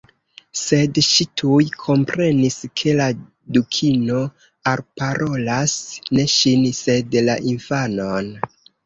Sed ŝi tuj komprenis ke la Dukino alparolas ne ŝin sed la infanon.